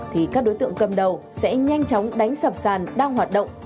thì các đối tượng cầm đầu sẽ nhanh chóng đánh sập sàn đang hoạt động